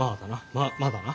まあまだな。